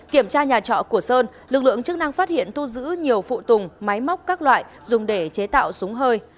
kiểm tra nhà trọ của sơn lực lượng chức năng phát hiện thu giữ nhiều phụ tùng máy móc các loại dùng để chế tạo súng hơi